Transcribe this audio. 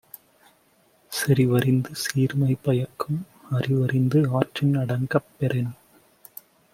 செறிவறிந்து சீர்மை பயக்கும் அறிவறிந்து ஆற்றின் அடங்கப் பெறின்